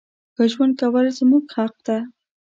ښه ژوند کول زمونږ حق ده.